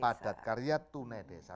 padat karya tunai desa